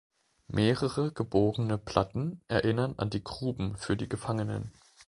Mehrere gebogene Platten erinnern an die Gruben für die Gefangenen.